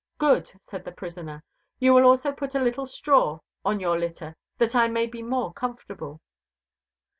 "Good," said the prisoner, "You will also put a little straw on your litter that I may be more comfortable."